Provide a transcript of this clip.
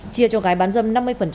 chia cho cái bán dâm năm mươi